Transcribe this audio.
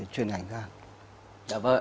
chuyên ngành khác